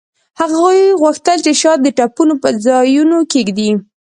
هغوی غوښتل چې شات د ټپونو په ځایونو کیږدي